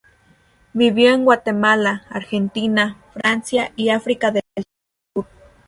Vivió en Guatemala, Argentina, Francia y África del Sur.